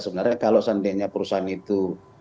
sebenarnya kalau seandainya perusahaan itu